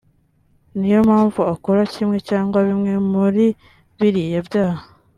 niyo mpamvu akora kimwe cyangwa bimwe muri biriya ibyaha